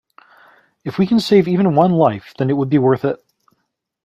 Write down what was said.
If we can save even one life, then it would be worth it.